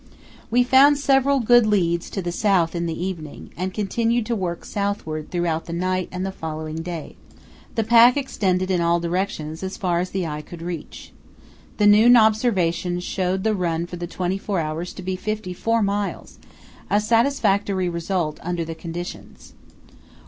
We found several good leads to the south in the evening, and continued to work southward throughout the night and the following day. The pack extended in all directions as far as the eye could reach. The noon observation showed the run for the twenty four hours to be 54 miles, a satisfactory result under the conditions.